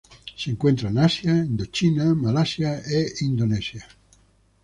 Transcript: Se encuentran en Asia: Indochina, Malasia y Indonesia.